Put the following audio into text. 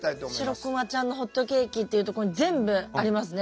「しろくまちゃんのほっとけーき」っていうところに全部ありますね